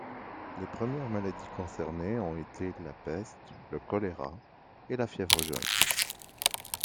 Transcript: Les premières maladies concernées ont été la peste, le choléra et la fièvre jaune.